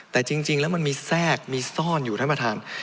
แต่จริงแล้วมันมีแทรกมีซ่อนอยู่ท่านประธาน